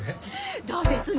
どうです？